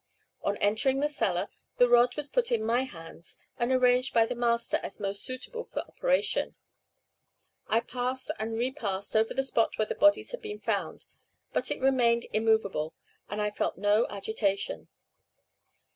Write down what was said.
On entering the cellar, the rod was put in my hands, and arranged by the master as most suitable for operation; I passed and repassed over the spot where the bodies had been found, but it remained immovable, and I felt no agitation.